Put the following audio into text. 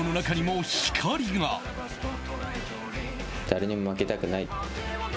誰にも負けたくない。